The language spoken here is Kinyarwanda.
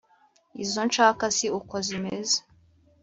izo nshaka si uko zimeze.